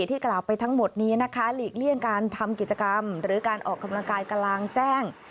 ที่กล่าวไปทั้งหมดนี้นะคะหลีกเลี่ยงการทำกิจกรรมหรือการออกกำลังกายกลางแจ้ง